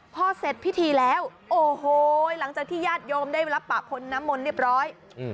พอเสร็จพิธีแล้วโอ้โหหลังจากที่ญาติโยมได้รับปะพลน้ำมนต์เรียบร้อย